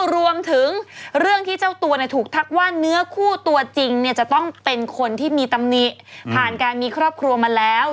รวมถึงเรื่องที่เจ้าตัวถูกทักว่าเนื้อคู่ตัวจริงจะต้องเป็นคนที่มีตำหนิผ่านการมีครอบครัวมาแล้ว